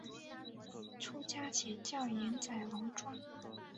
出家前叫岩仔龙庄。